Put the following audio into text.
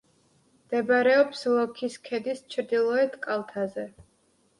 მდებარეობს ლოქის ქედის ჩრდილოეთ კალთაზე.